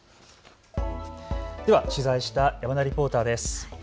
では取材した山田リポーターです。